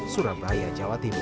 surabaya jawa timur